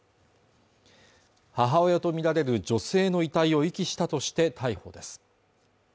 母親と見られる女性の遺体を遺棄したとして逮捕です